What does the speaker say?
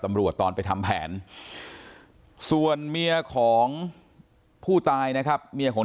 ตอนไปทำแผนส่วนเมียของผู้ตายนะครับเมียของ